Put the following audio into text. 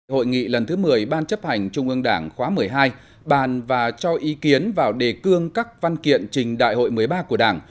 hội nghị lần thứ một mươi ban chấp hành trung ương đảng khóa một mươi hai bàn và cho ý kiến vào đề cương các văn kiện trình đại hội một mươi ba của đảng